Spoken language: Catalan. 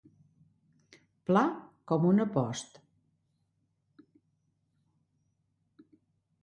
Pla com una post.